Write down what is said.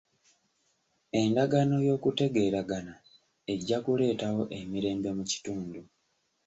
Endagaano y'okutegeeragana ejja kuleetawo emirembe mu kitundu.